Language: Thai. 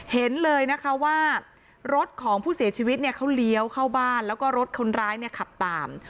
เห็นเลยนะคะว่ารถของผู้เสียชีวิตเนี่ยเขาเลี้ยวเข้าบ้านแล้วก็รถคนร้ายเนี่ยขับตาม